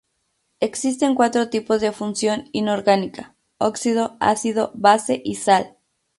Existen cuatro tipos de función inorgánica: óxido, ácido, base y sal.